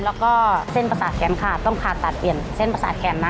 แล้วก็เส้นประสาทแขนขาดต้องผ่าตัดเปลี่ยนเส้นประสาทแขนนะ